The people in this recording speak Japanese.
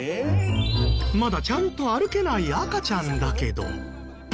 まだちゃんと歩けない赤ちゃんだけど。